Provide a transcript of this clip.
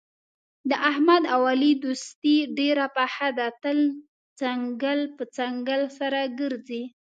د احمد او علي دوستي ډېره پخه ده، تل څنګل په څنګل سره ګرځي.